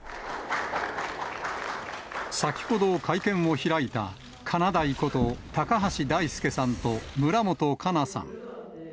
先ほど会見を開いたかなだいこと、高橋大輔さんと村元哉中さん。